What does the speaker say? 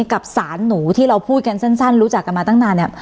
กับสารหนูที่เราพูดกันสั้นรู้จักกันมาตั้งนานเนี่ย